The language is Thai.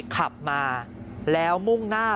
ขับมาแล้วมุ่งหน้า